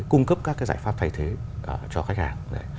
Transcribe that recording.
cung cấp các cái giải pháp thay thế cho khách hàng